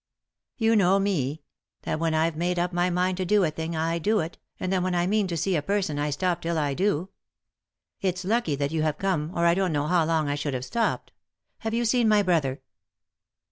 You know me ; that when I've made up my mind to do a thing I do it, and that when I mean to see a person 1 stop till I do. It's lucky that you have come, or I don't know how long I should have stopped. Have you seen my brother